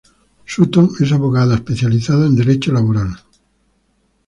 Sutton es abogada especializada en derecho laboral.